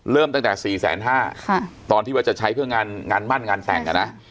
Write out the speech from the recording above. เริ่มตั้งแต่สี่แสนห้าค่ะตอนที่ว่าจะใช้เพื่องงานงานมั่นงานแต่งกันนะ